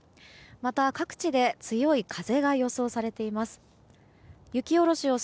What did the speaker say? また、各地で強い風が予想されています。